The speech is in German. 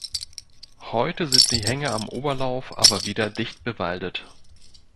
Heute sind die Hänge am Oberlauf aber wieder dicht bewaldet.